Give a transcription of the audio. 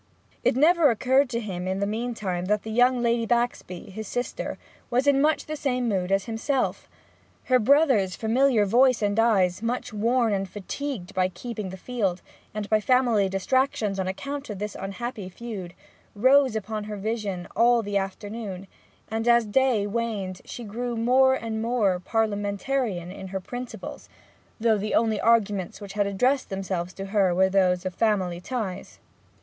It never occurred to him that in the meantime the young Lady Baxby, his sister, was in much the same mood as himself. Her brother's familiar voice and eyes, much worn and fatigued by keeping the field, and by family distractions on account of this unhappy feud, rose upon her vision all the afternoon, and as day waned she grew more and more Parliamentarian in her principles, though the only arguments which had addressed themselves to her were those of family ties.